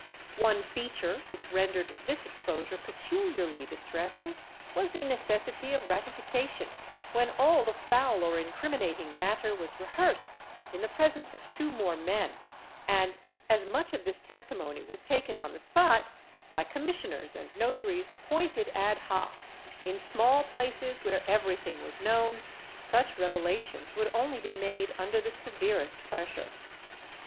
One feature which rendered this exposm'e peculiarly distressing was the necessity of ratification, when all the foul or incriminating matter was rehearsed in the presence of two more men and, as much of this testimony was taken on the spot, by commissioners and notaries appointed ad hoc, in small places where everything was known, such revelations would only be made under the severest pressure.